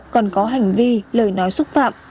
còn có hành vi lời nói xúc phạm